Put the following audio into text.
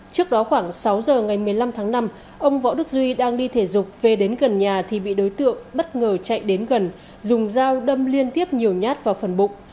trước đó khoảng sáu giờ ngày một mươi năm tháng năm ông võ đức duy đang đi thể dục về đến gần nhà thì bị đối tượng bất ngờ chạy đến gần dùng dao đâm liên tiếp nhiều nhát vào phần bụng